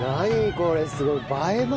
これすごい。